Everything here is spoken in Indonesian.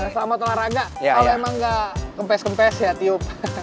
sama telaraga kalo emang gak kempes kempes ya tiup